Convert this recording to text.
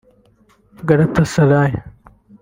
Galatasaray